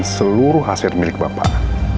komisaris mengembalikan seluruh hasil milik bapak